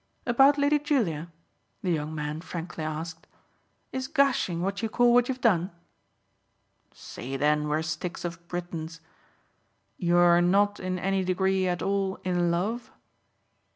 "About Lady Julia?" the young man frankly asked. "Is gushing what you call what you've done?" "Say then we're sticks of Britons. You're not in any degree at all in love?"